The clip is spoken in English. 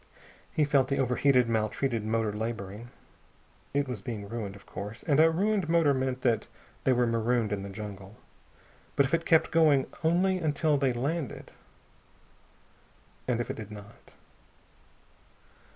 He felt the over heated, maltreated motor laboring. It was being ruined, of course and a ruined motor meant that they were marooned in the jungle. But if it kept going only until they landed. And if it did not....